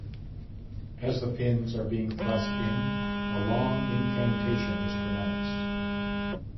As the pins are being thrust in, a long incantation is pronounced.